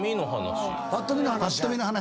ぱっと見の話？